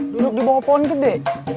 duduk di bawah pohon gede